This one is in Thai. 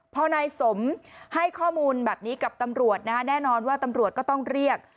พอนายสมให้ข้อมูลแบบนี้กับตำรวจนะฮะแน่นอนว่าตำรวจก็ต้องเรียก